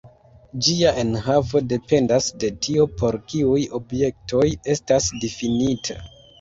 Ĝia enhavo dependas de tio, por kiuj objektoj estas difinita.